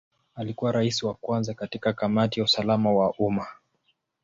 Alikuwa Rais wa kwanza katika Kamati ya usalama wa umma.